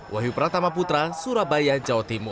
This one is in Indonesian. wahyu pratama putra surabaya jawa timur